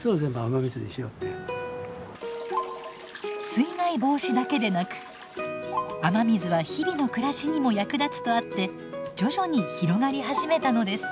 水害防止だけでなく雨水は日々の暮らしにも役立つとあって徐々に広がり始めたのです。